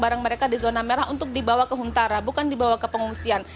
barang mereka di zona merah untuk dibawa ke huntara bukan dibawa ke pengungsian